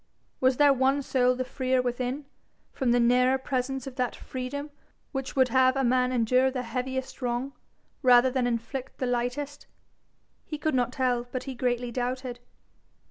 Was there one soul the freer within, from the nearer presence of that freedom which would have a man endure the heaviest wrong, rather than inflict the lightest? He could not tell, but he greatly doubted.